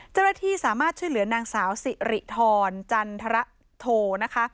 เจ้าหน้าที่สามารถช่วยเหลือนางสาวสิริธรจันทรโทนะคะ